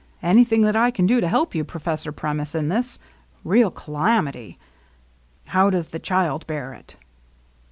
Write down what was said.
Anything that I can do to help you, Professor Premice, in this — real calamity — How does the child bear it